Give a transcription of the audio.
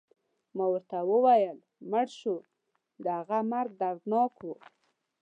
ما ورته وویل: مړ شو، د هغه مرګ دردناک و.